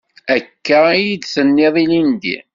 Akka i d-tenniḍ ilindi.